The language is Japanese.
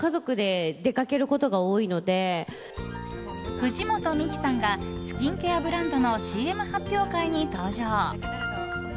藤本美貴さんがスキンケアブランドのＣＭ発表会に登場。